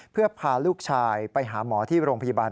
เพื่อพาลูกชายไปหาหมอที่โรงพยาบาล